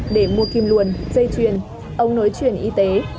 để mua kim luồn dây chuyền ông nối truyền y tế